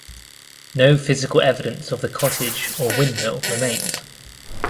No physical evidence of the cottage or windmill remains.